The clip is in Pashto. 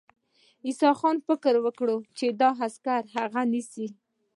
اسحق خان فکر وکړ چې دا عسکر هغه نیسي.